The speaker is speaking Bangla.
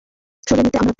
সরিয়ে নিতে আমার আত্মা।